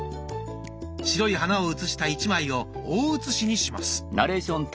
白い花を写した１枚を大写しにします。